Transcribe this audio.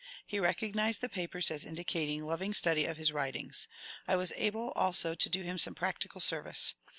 He recognized the papers as indicating loving study of his writings. I was able also to do him some practical service.